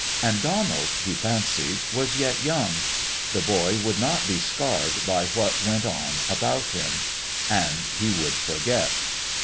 And Donald, he fancied, was yet young; the boy would not be scarred by what went on about him and he would forget.